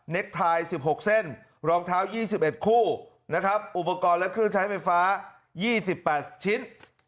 ไทย๑๖เส้นรองเท้า๒๑คู่นะครับอุปกรณ์และเครื่องใช้ไฟฟ้า๒๘ชิ้น